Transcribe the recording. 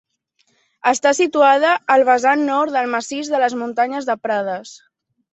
Està situada al vessant nord del massís de les Muntanyes de Prades.